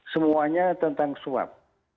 semuanya tentang suap